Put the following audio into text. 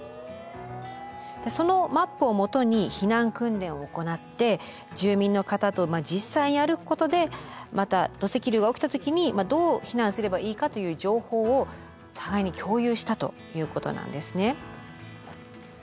でそのマップをもとに避難訓練を行って住民の方と実際やることでまた土石流が起きた時にどう避難すればいいかという情報を互いに共有したということなんですね。